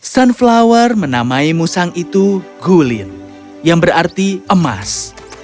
sunflower menamai musang itu gulin yang berarti emas